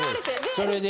それで。